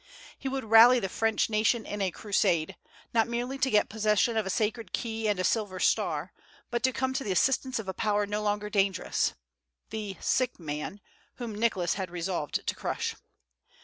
He would rally the French nation in a crusade, not merely to get possession of a sacred key and a silver star, but to come to the assistance of a power no longer dangerous, the "sick man," whom Nicholas had resolved to crush.